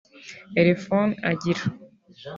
elefone agira